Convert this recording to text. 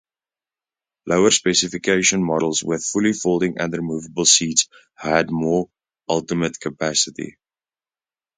Lower specification models with fully folding and removable seats had more ultimate capacity.